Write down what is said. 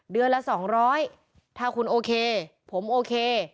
เดือนละ๒๐๐ถ้าคุณโอเคผมโอเค